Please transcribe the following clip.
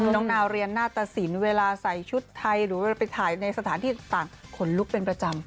น้องนาวเรียนหน้าตสินเวลาใส่ชุดไทยหรือว่าไปถ่ายในสถานที่ต่างขนลุกเป็นประจำ